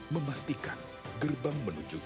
memastikan gerbang menuju